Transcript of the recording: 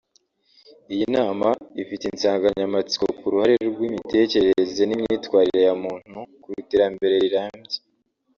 Iyi nama ifite insanganyamatsiko ku “Uruhare rw’imitekerereze n’imyitwarire ya muntu ku iterambere rirambye